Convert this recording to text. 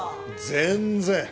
全然！